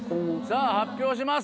さぁ発表します。